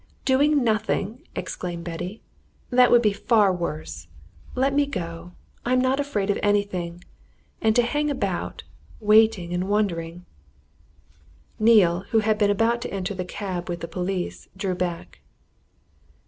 "Doing nothing!" exclaimed Betty. "That would be far worse. Let me go I'm not afraid of anything. And to hang about, waiting and wondering " Neale, who had been about to enter the cab with the police, drew back.